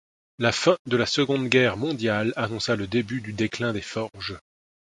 La fin de la Seconde Guerre mondiale annonça le début du déclin des forges.